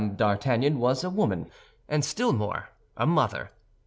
D'Artagnan was a woman, and still more, a mother.